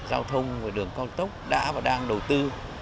giao thông và đường con tốc đã và đang đầu tư